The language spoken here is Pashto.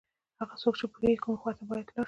هغه څوک چې پوهېږي کومې خواته باید ولاړ شي.